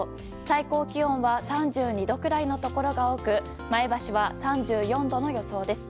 最高気温は３２度くらいのところが多く前橋は３４度の予想です。